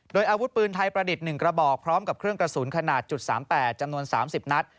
โดยอาวุธปืนไทยประดิษฐ์๑กระบอกพร้อมกับเครื่องกระสุนขนาด๓๘จำนวน๓๐นัด